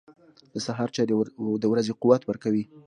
• د سهار چای د ورځې قوت ورکوي.